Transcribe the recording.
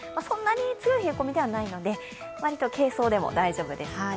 そんなに強い冷え込みではないので軽装でも大丈夫です。